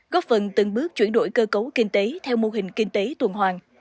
góp phần từng bước chuyển đổi cơ cấu kinh tế theo mô hình kinh tế tuần hoàng